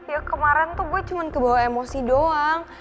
ya kemarin tuh gue cuma kebawa emosi doang